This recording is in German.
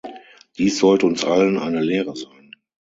Dies sollte uns allen eine Lehre sein.